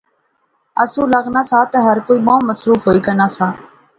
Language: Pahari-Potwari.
آسو لغنا سا تہ ہر کوئی بہوں مصروف ہوئی گینا سا